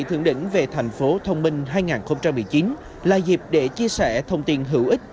thượng đỉnh về tp thông minh hai nghìn một mươi chín là dịp để chia sẻ thông tin hữu ích